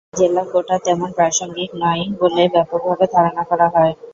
এখানে জেলা কোটা তেমন প্রাসঙ্গিক নয় বলে ব্যাপকভাবে ধারণা করা হয়।